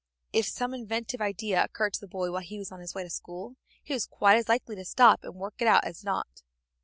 If some inventive idea occurred to the boy while he was on his way to school, he was quite as likely to stop and work it out as not.